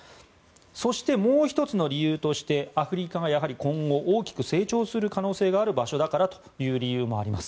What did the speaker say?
そしてもう１つの理由としてアフリカが今後大きく成長する可能性がある場所だからという理由もあります。